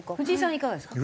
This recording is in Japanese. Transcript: いかがですか？